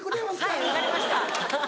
はい分かりました。